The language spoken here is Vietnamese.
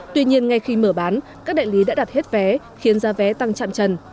tuy nhiên ngay khi mở bán các đại lý đã đặt hết vé khiến giá vé tăng chạm trần